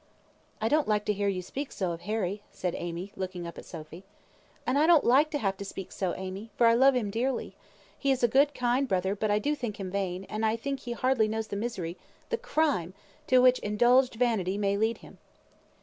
"I don't like to hear you speak so of Harry," said Amy, looking up at Sophy. "And I don't like to have to speak so, Amy, for I love him dearly. He is a good, kind brother, but I do think him vain, and I think he hardly knows the misery, the crimes, to which indulged vanity may lead him."